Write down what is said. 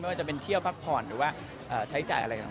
ว่าจะเป็นเที่ยวพักผ่อนหรือว่าใช้จ่ายอะไรต่าง